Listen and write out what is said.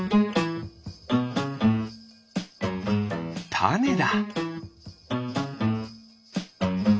たねだ。